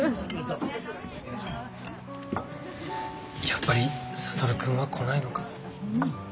やっぱり智君は来ないのか？